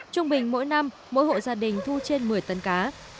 trung bình mỗi năm mỗi hộ gia đình thu trên một mươi tấn cá